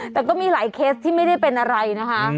แต่ก็มีหลายเคสที่ไม่ได้เป็นอะไรนะคะ